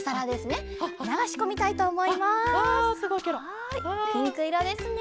はいピンクいろですね。